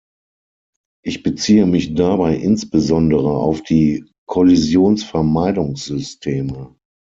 Ich beziehe mich dabei insbesondere auf die Kollisionsvermeidungssysteme.